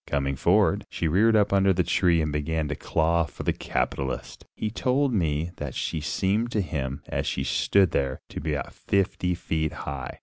Coming forward, she reared up under the tree and began to claw for the capitalist. He told me that she seemed to him, as she stood there, to be about fifty feet high.